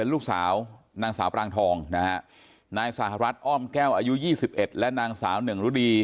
ลูกสาวนางสาวปรางทองนะฮะนายสหรัฐอ้อมแก้วอายุ๒๑และนางสาวหนึ่งรุดี